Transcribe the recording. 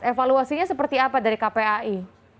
evaluasinya seperti apa dari kpai